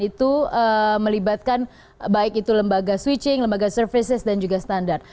itu melibatkan baik itu lembaga switching lembaga services dan juga standar